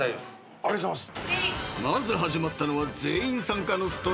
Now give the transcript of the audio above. ありがとうございます。